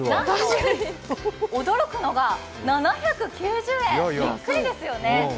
驚くのが７９０円、びっくりですよね。